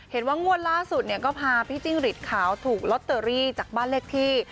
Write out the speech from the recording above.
เห็นว่างวดล่าสุดเนี่ยก็พาพี่จิ้งหลีดขาวถูกลอตเตอรี่จากบ้านเลขที่